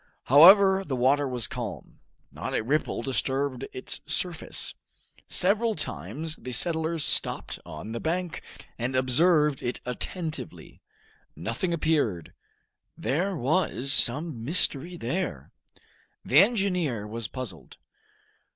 However the water was calm; not a ripple disturbed its surface. Several times the settlers stopped on the bank, and observed it attentively. Nothing appeared. There was some mystery there. The engineer was puzzled.